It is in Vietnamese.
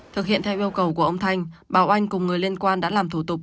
thực hiện theo yêu cầu của ông thanh báo oanh cùng người liên quan đã làm thủ tục